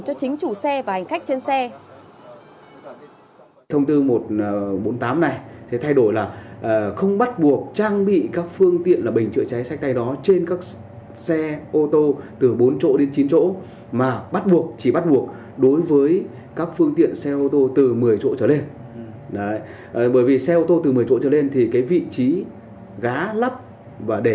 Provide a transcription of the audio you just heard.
cho chính chủ xe và hành khách trên xe